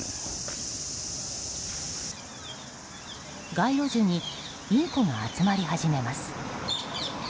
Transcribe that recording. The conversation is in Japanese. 街路樹にインコが集まり始めます。